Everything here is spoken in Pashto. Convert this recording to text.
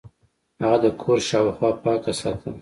هغه د کور شاوخوا پاکه ساتله.